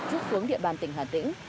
trút xuống địa bàn tỉnh hà tĩnh